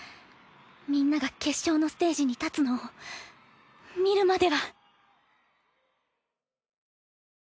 みんなが決勝のステージに立つのを見るまでは。